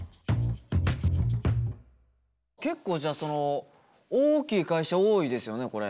結構じゃあその大きい会社多いですよねこれ。